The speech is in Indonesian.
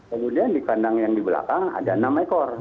kemudian di kandang yang di belakang ada enam ekor